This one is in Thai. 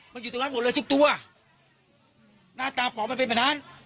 มันอยู่ตรงนั้นหมดเลยทุกตัวหน้าตาป๋อมันเป็นแบบนั้น